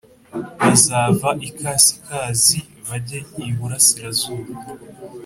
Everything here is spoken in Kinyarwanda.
bazava ikasikazi bajye iburasirazuba